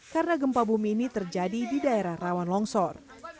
karena gempa bumi ini terjadi di daerah rawan longsor